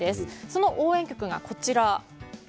その応援曲がこちら。